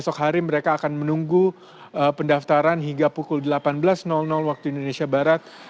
esok hari mereka akan menunggu pendaftaran hingga pukul delapan belas waktu indonesia barat